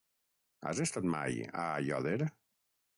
Has estat mai a Aiòder?